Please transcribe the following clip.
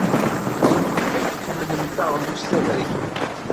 Maɣef ay ḥemmlent taɣlust taberkant?